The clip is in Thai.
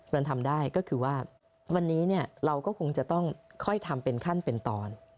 มันทำได้ก็คือว่าวันนี้เราก็คงจะต้องค่อยทำเป็นขั้นเป็นตอน